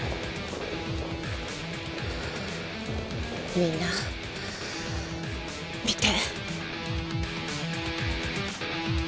みんな見て！